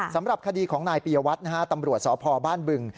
สำหรับคดีของนายปียวัตรนะฮะตำรวจสพบ้านบึง